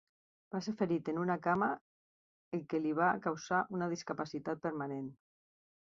Va ser ferit en una cama el que li va causar una discapacitat permanent.